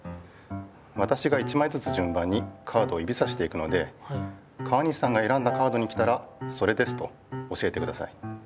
わたしが一まいずつじゅん番にカードをゆびさしていくので川西さんがえらんだカードに来たら「それです」と教えてください。